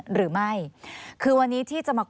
หรือไม่คือวันนี้ที่จะมา